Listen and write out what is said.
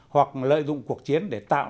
hoặc lợi dụng cuộc chiến để tạo